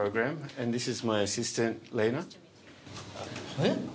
えっ？